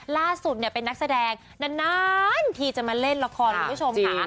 ล่าสุดเป็นนักแสดงนานทีจะมาเล่นละครคุณผู้ชมค่ะ